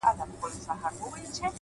په اور دي وسوځم ـ په اور مي مه سوځوه ـ